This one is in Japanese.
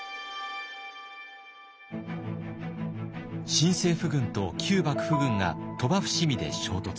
新政府軍と旧幕府軍が鳥羽・伏見で衝突。